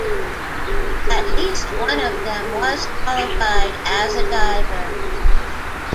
At least one of them was qualified as a diver.